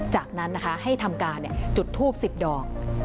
จากนั้นนะคะให้ทำการจุดทูบ๑๐ดอก